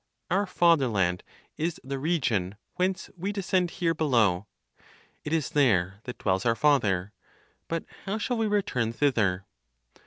Our fatherland is the region whence we descend here below. It is there that dwells our Father. But how shall we return thither?